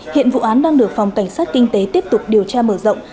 hiện vụ án đang được phòng cảnh sát kinh tế tiếp tục điều tra mở rộng